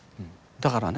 だからね